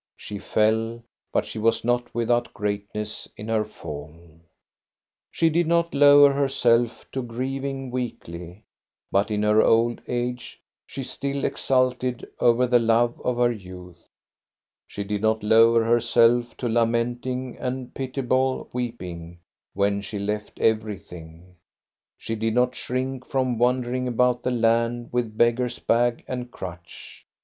She fell, but she was not without greatness in her fall. She did not lower herself to grieving weakly, but in her old age she still exulted over the love of her youth. She did not lower herself to lamenting and pitiable weeping when she left everything; she did not shrink from wandering about the land with beg gar's bag and crutch.